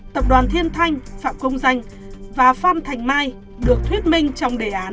tập đoàn thiên thanh phạm công danh và phan thành mai được thuyết minh trong đề án là công danh